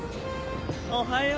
おはよう。